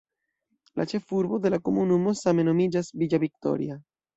La ĉefurbo de la komunumo same nomiĝas "Villa Victoria".